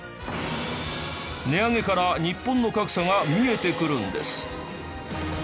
値上げから日本の格差が見えてくるんです。